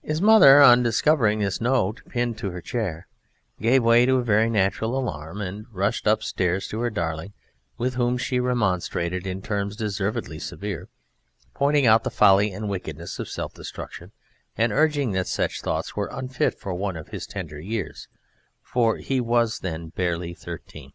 His mother on discovering this note pinned to her chair gave way to very natural alarm and rushed upstairs to her darling, with whom she remonstrated in terms deservedly severe, pointing out the folly and wickedness of self destruction and urging that such thoughts were unfit for one of his tender years, for he was then barely thirteen.